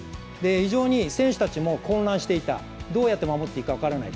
非常に選手たちも混乱した、どうやって守っていいか分からない。